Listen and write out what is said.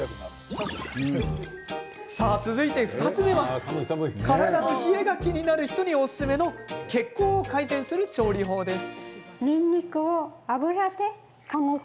続いて２つ目は、体の冷えが気になる人におすすめの血行を改善する調理法です。